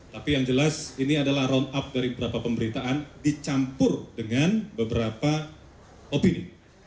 tapi yang jelas ini adalah round up dari beberapa pemberitaan dicampur dengan beberapa opini